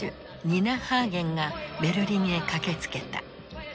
ニナ・ハーゲンがベルリンへ駆けつけた。